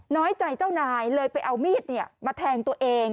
น้อยใจเจ้านายเลยไปเอามีดมาแทงตัวเอง